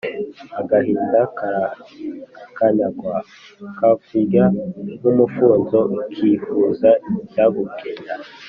agahinda karakanyagwa, kakurya nk’umufunzo ukifuza icyagukenya